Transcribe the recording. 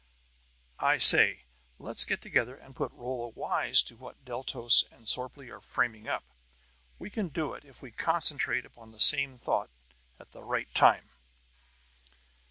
"I say, let's get together and put Rolla wise to what Deltos and Sorplee are framing up! We can do it, if we concentrate upon the same thought at the right time!"